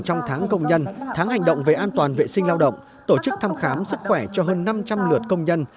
trong tháng công nhân tháng hành động về an toàn vệ sinh lao động tổ chức thăm khám sức khỏe cho hơn năm trăm linh lượt công nhân